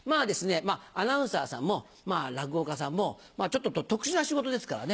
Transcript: アナウンサーさんも落語家さんもちょっと特殊な仕事ですからね。